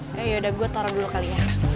ya yaudah gue taruh dulu kali ya